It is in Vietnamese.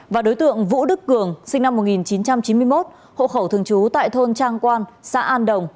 và đối tượng vũ đức cường sinh năm một nghìn chín trăm chín mươi một hộ khẩu thường trú tại thôn trang quan xã an đồng